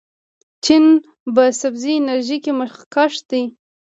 چین په سبزې انرژۍ کې مخکښ دی.